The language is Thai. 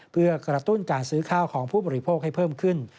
เพื่อกระตุ้นการซื้อข้าวของผู้บริโภคให้เพิ่มขึ้น